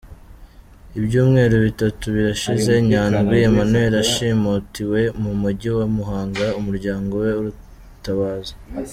Ibyumweru bitatu birashize Nyandwi Emmanuel ashimutiwe mu mujyi wa Muhanga; umuryango we uratabaza.